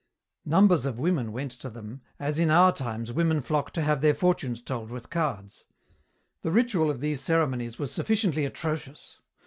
Numbers of women went to them as in our times women flock to have their fortunes told with cards. "The ritual of these ceremonies was sufficiently atrocious.